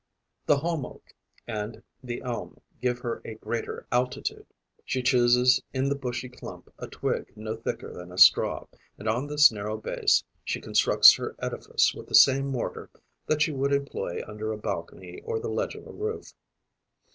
The holm oak and the elm give her a greater altitude. She chooses in the bushy clump a twig no thicker than a straw; and on this narrow base she constructs her edifice with the same mortar that she would employ under a balcony or the ledge of a roof.